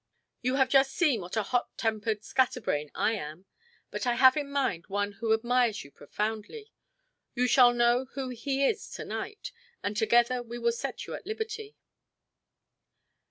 You have just seen what a hot tempered scatterbrain I am. But I have in mind one who admires you profoundly. You shall know who he is tonight, and together we will set you at liberty."